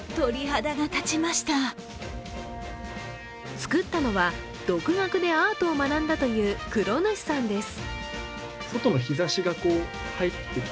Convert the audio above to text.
作ったのは、独学でアートを学んだという黒主さんです。